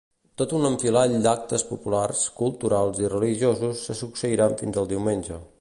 Tot un enfilall d'actes populars, culturals i religiosos se succeiran fins al diumenge.